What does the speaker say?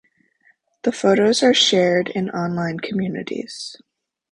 The photos are shared in online communities.